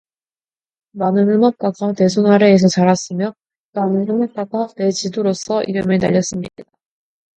많은 음악가가 내 손아래에서 자랐으며, 많은 음악가가 내 지도로서 이름을 날렸습니다.